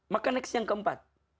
maka next yang keempat